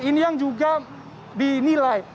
ini yang juga dinilai